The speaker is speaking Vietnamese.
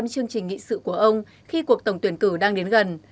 chương trình nghị sự của ông khi cuộc tổng tuyển cử đang đến gần